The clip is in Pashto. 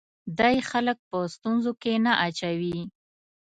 دی خلک په ستونزو کې نه اچوي.